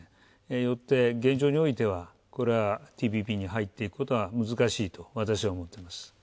よって、現状においてはこれはＴＰＰに入っていくことは難しいと私は思ってます。